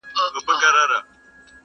o عاقل نه سوې چي مي څومره خوارۍ وکړې,